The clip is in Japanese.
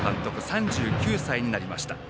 ３９歳になりました。